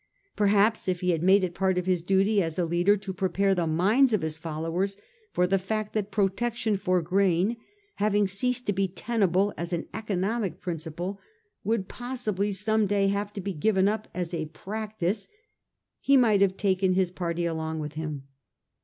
Per haps if he had made it part of his duty as a leader to prepare the minds of his followers for the fact that protection for grain having ceased to be tenable as an economic principle would possibly some day have to be given up as a practice, he might have taken his party along with him.